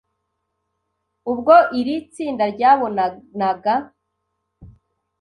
Ubwo iri tsinda ryabonanaga